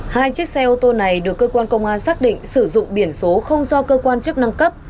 hai chiếc xe ô tô này được cơ quan công an xác định sử dụng biển số không do cơ quan chức năng cấp